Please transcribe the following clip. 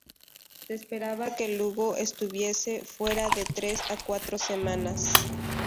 Se esperaba que Lugo estuviese fuera de tres a cuatro semanas.